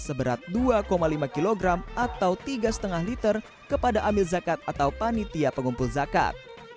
seberat dua lima kg atau tiga lima liter kepada amil zakat atau panitia pengumpul zakat